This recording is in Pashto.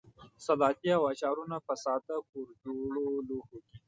سلاتې او اچارونه په ساده کورجوړو لوښیو کې.